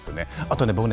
あとね